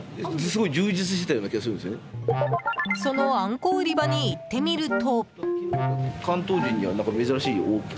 そのあんこ売り場に行ってみると。